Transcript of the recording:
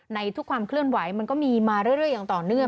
ในทุกความเคลื่อนไหวมันก็มีมาเรื่อยอย่างต่อเนื่อง